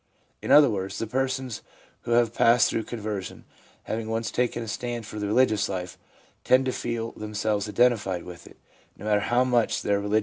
In other words, the persons who have passed through conversion, having once taken a stand for the religious life, tend to feel themselves identified with it, no matter how much their religious enthusiasm declines.